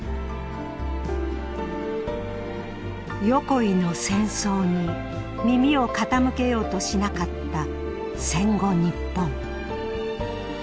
横井の戦争に耳を傾けようとしなかった戦後日本。